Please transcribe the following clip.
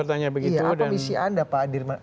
apa misi anda pak dirman